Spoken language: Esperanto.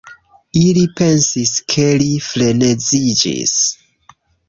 Ili pensis ke li freneziĝis.